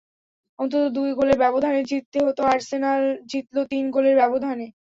অন্তত দুই গোলের ব্যবধানে জিততে হতো, আর্সেনাল জিতল তিন গোলের ব্যবধানে।